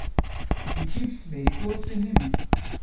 He keeps very close to him.